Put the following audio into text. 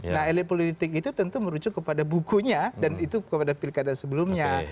nah elit politik itu tentu merujuk kepada bukunya dan itu kepada pilkada sebelumnya